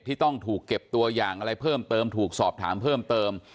ต้องถูกเก็บตัวอย่างอะไรเพิ่มเติมถูกสอบถามเพิ่มเติม